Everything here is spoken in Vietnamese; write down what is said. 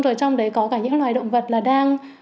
rồi trong đấy có cả những loài động vật là đang